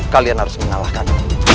kalian harus mengalahkan